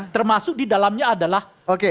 termasuk di dalamnya adalah